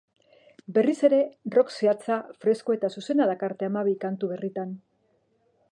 Berriz ere, rock zehatza, freskoa eta zuzena dakarte hamabi kantu berritan.